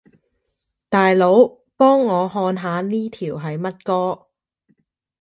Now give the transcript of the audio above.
大佬，幫我看下呢條係乜歌